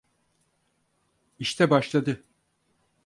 İşte başladı.